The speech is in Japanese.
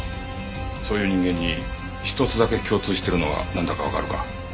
そういう人間に一つだけ共通しているのはなんだかわかるか？